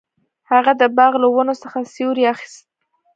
هغه د باغ له ونو څخه سیوری اخیست.